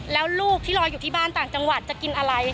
แล้วลูกที่รออยู่ที่บ้านต่างจังหวัดจะกินอะไร